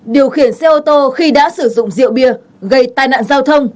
điều khiển xe ô tô khi đã sử dụng rượu bia gây tai nạn giao thông